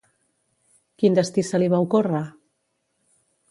Quin destí se li va ocórrer?